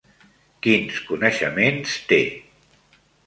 Quins coneixements té?